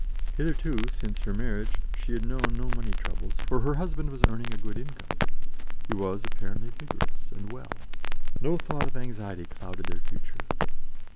Hitherto, since her marriage, she had known no money troubles, for her husband was earning a good income; he was apparently vigorous and well: no thought of anxiety clouded their future.